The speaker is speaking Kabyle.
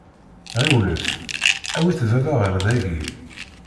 Ɣiwlet, awit-d baba ɣer dagi.